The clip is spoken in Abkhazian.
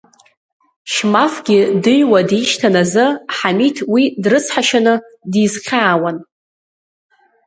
Шьмафгьы дыҩуа дишьҭан азы Ҳамиҭ уи дрыцҳашьаны дизхьаауан.